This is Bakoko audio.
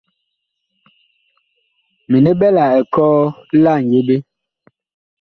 Mini ɓɛ la ekɔɔ la ŋyeɓe.